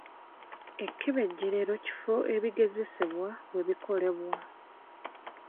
Ekkebejjerero kifo ebigezesebwa we bikolebwa.